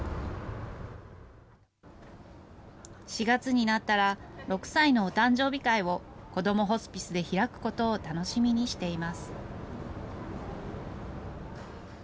４月になったら、６歳のお誕生日会をこどもホスピスで開くことを楽しみにしています。